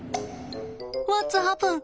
ワッツハプン？